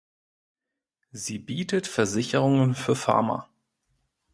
Sie bietet Versicherungen für Farmer.